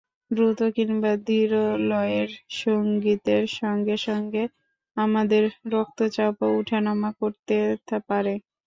দ্রুত কিংবা ধীর লয়ের সংগীতের সঙ্গে সঙ্গে আমাদের রক্তচাপও ওঠানামা করতে পারে।